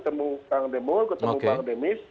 ketemu bang demik ketemu bang demik